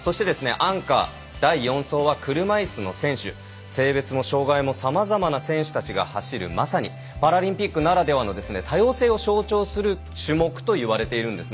アンカー第４走は車いすの選手性別も障がいもさまざまな選手たちが走るまさにパラリンピックならではの多様性を象徴する種目と言われているんです。